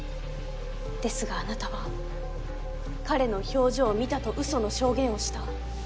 ですがあなたは彼の表情を見たと嘘の証言をした。